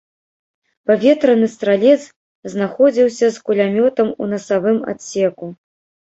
Паветраны стралец знаходзіўся з кулямётам у насавым адсеку.